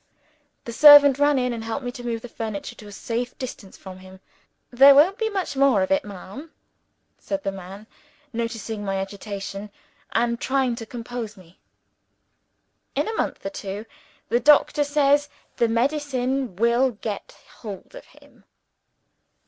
The servant ran in, and helped me to move the furniture to a safe distance from him, "There won't be much more of it, ma'am," said the man, noticing my agitation, and trying to compose me. "In a month or two, the doctor says the medicine will get hold of him."